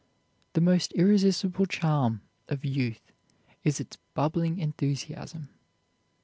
The most irresistible charm of youth is its bubbling enthusiasm.